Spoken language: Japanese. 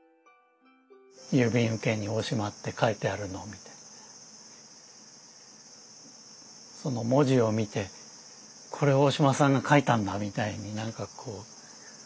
郵便受けに「大島」って書いてあるのを見てその文字を見て「これ大島さんが書いたんだ」みたいになんかこう思って。